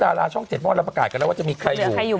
ดาราช่องเจ็ดม่อรรับประกาศว่าจะมีใครอยู่